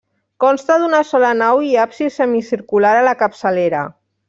Consta d'una sola nau i absis semicircular a la capçalera.